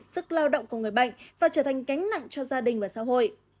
sức lao động của người bệnh và trở thành cánh nặng cho gia đình và xã hội